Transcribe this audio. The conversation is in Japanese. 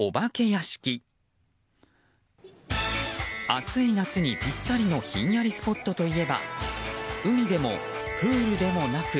暑い夏にぴったりのひんやりスポットといえば海でも、プールでもなく。